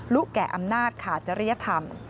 แก่อำนาจขาดจริยธรรม